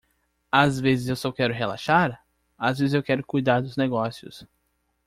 Às vezes eu só quero relaxar? às vezes eu quero cuidar dos negócios.